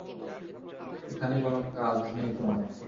এখানে কোনো কাজ নেই তোমার!